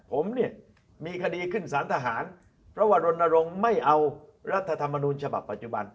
ผมเนี่ยมีคดีขึ้นสารทหารเพราะว่ารณรงค์ไม่เอารัฐธรรมนูญฉบับปัจจุบัน